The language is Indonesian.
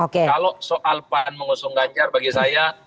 kalau soal pan mengusung ganjar bagi saya